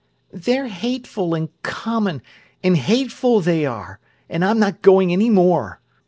"They're hateful, and common, and hateful, they are, and I'm not going any more.